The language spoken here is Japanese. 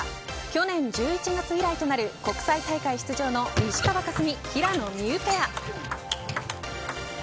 去年１１月以来となる国際大会出場の石川佳純、平野美宇ペア。